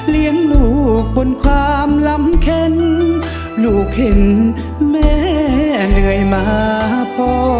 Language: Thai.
เลี้ยงลูกบนความลำเข็นลูกเห็นแม่เหนื่อยมาพ่อ